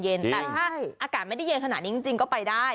แต่ถ้าอากาศไม่ได้เย็นขนาดนี้จริงก็ไปได้